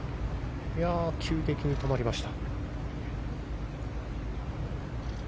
急激に止まりました。